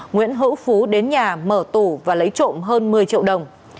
nguyễn hữu phú đến nhà mở tủ và lấy trộm hơn một mươi triệu đồng